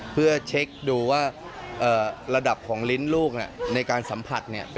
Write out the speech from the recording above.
เพื่อเช็คดูว่าระดับของลิ้นลูกในการสัมผัส